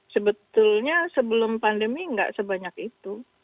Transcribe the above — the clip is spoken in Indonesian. sebetulnya sebelum pandemi nggak sebanyak itu